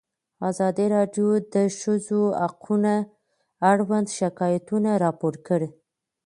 ازادي راډیو د د ښځو حقونه اړوند شکایتونه راپور کړي.